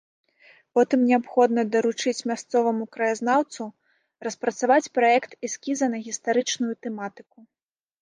Потым неабходна даручыць мясцоваму краязнаўцу распрацаваць праект эскіза на гістарычную тэматыку.